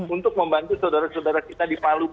untuk membantu saudara saudara kita di palu